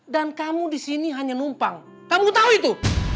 dan kamu disini hanya numpang kamu tau itu